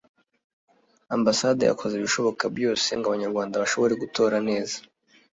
Ambasade yakoze ibishoboka byose ngo Abanyarwanda bashobore gutora neza